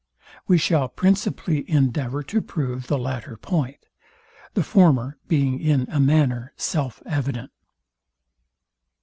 We shall principally endeavour to prove the latter point; the former being in a manner self evident.